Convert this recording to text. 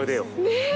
ねえ？